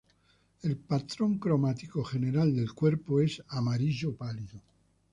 El patrón cromático general del cuerpo es amarillo pálido.